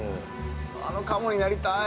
あのカモになりたーい。